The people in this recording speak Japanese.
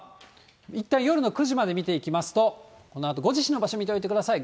いったん、夜の９時まで見ていきますと、このあとご自身の場所、見ておいてください。